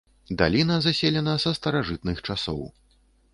Даліна заселена са старажытных часоў.